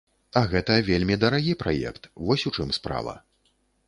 А гэта вельмі дарагі праект, вось у чым справа!